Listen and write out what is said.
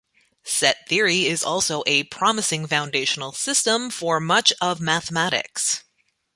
Set theory is also a promising foundational system for much of mathematics.